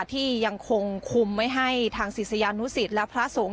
ที่ยังคงคุมไว้ให้ทางศิษยานุสิตและพระสงฆ์